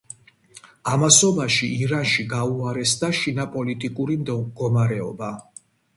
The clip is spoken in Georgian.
ამასობაში ირანში გაუარესდა შინაპოლიტიკური მდგომარეობა.